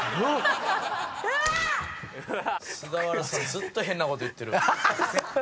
ずっと変なこと言ってる。